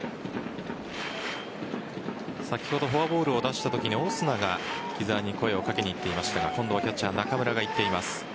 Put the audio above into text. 先ほどフォアボールを出したときにオスナが木澤に声を掛けに行っていましたが今度はキャッチャー・中村が行っています。